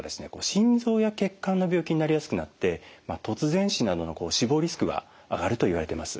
心臓や血管の病気になりやすくなって突然死などの死亡リスクが上がるといわれてます。